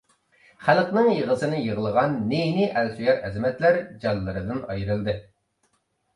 خەلقنىڭ يىغىسىنى يىغلىغان نى-نى ئەل سۆيەر ئەزىمەتلەر جانلىرىدىن ئايرىلدى.